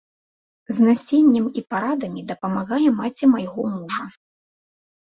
З насеннем і парадамі дапамагае маці майго мужа.